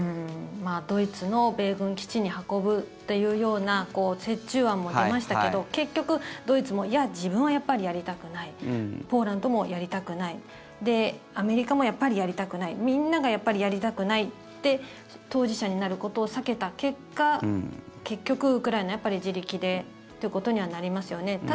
ドイツの米軍基地に運ぶというような折衷案も出ましたけど結局、ドイツもいや、自分はやっぱりやりたくないポーランドもやりたくないで、アメリカもやっぱりやりたくないみんなが、やりたくないって当事者になることを避けた結果結局、ウクライナは自力でということにはなりますよね。